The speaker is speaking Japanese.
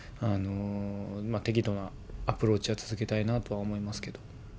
適度なアプローチは続けたいなとは思いますけど。